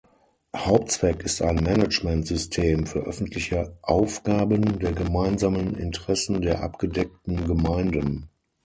Hauptzweck ist ein Managementsystem für öffentliche Aufgaben der gemeinsamen Interessen der abgedeckten Gemeinden.